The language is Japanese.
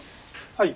はい。